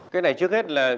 cái này trước hết là